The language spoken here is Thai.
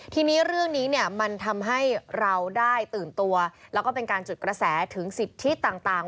ทีนี้เรื่องนี้เนี่ยมันทำให้เราได้ตื่นตัวแล้วก็เป็นการจุดกระแสถึงสิทธิต่าง